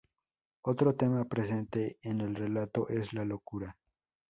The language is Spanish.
Otro tema presente en el relato es la locura.